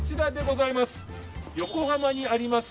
横浜にあります